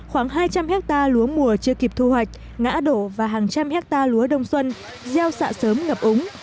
khoảng hai trăm linh hecta lúa mùa chưa kịp thu hoạch ngã đổ và hàng trăm hecta lúa đông xuân giao xạ sớm ngập úng